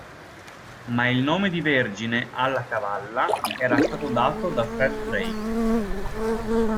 Ma il nome di Vergine alla cavalla era stato dato da Fred Drake!